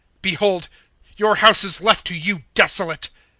(38)Behold, your house is left to you desolate.